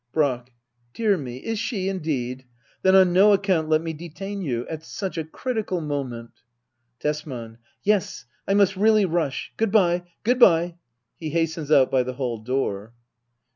Brack. Dear me, is she indeed ? Then on no account let me detain you. At such a critical moment— ^^ Tesman. Yes, I must really rush Good bye ! Good bye ! \He hastens out hy the hall door.